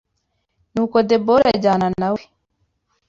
Nuko Debora ajyana na we